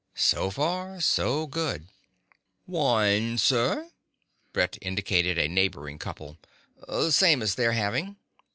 So far so good ... "Wine, sir?" Brett indicated the neighboring couple. "The same as they're having."